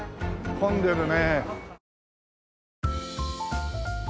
混んでるね。